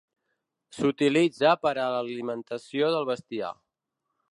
S'utilitza per a l'alimentació del bestiar.